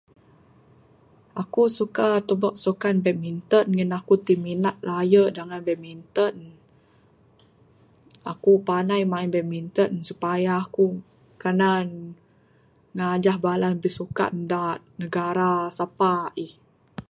Aku suka tubek sukan badminton ngin aku ti minat raye dangan badminton. Aku panai main badminton supaya aku kanan ngajah bala ne bisukan da negara sapa aih.